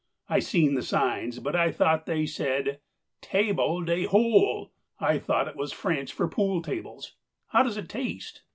"I seen the signs, but I thought they said 'table de hole.' I thought it was French for pool tables. How does it taste?"